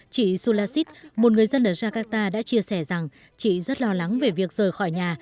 chị sulasit một người dân ở jakarta đã chia sẻ rằng chị rất lo lắng về việc rời khỏi nhà